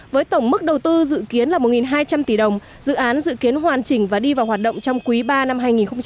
với tổng mức đầu tư dự kiến là một hai trăm linh tỷ đồng dự án dự kiến hoàn chỉnh và đi vào hoạt động trong quý ba năm hai nghìn hai mươi